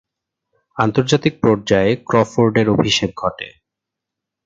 আন্তর্জাতিক পর্যায়ে ক্রফোর্ডের অভিষেক ঘটে।